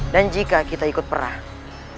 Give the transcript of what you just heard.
dan jika kita ikut perang